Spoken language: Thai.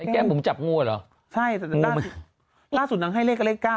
แก้มบุ๋มจับงูหรอใช่แต่ล่าสุดท้ายให้เลขก็เลข๙